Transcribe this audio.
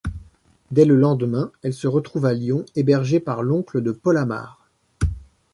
Dès le lendemain, elle se retrouve à Lyon hébergée par l'oncle de Paul Amar.